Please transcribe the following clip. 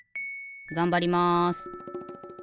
がんばります。